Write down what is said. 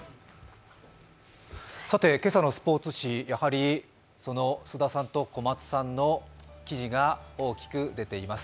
今朝のスポーツ紙、やはりその菅田さんと小松さんの記事が大きく出ています。